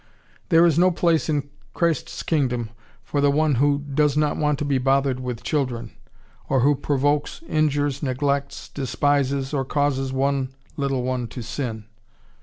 There is no place in Christ's Kingdom for the one who "does not want to be bothered with children" or who provokes, injures, neglects, despises, or causes one little one to sin.